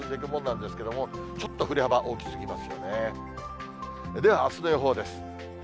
では、あすの予報です。